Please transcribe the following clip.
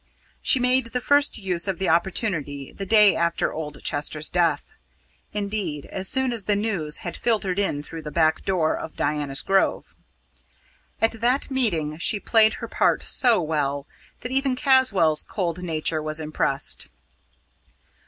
She made the first use of the opportunity the day after old Chester's death; indeed, as soon as the news had filtered in through the back door of Diana's Grove. At that meeting, she played her part so well that even Caswall's cold nature was impressed.